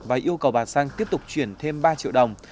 và yêu cầu bà sang tiếp tục chuyển thêm ba triệu đồng